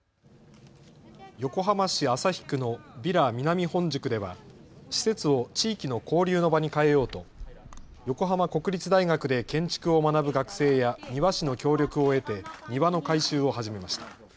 横浜市旭区のヴィラ南本宿では施設を地域の交流の場に変えようと横浜国立大学で建築を学ぶ学生や庭師の協力を得て庭の改修を始めました。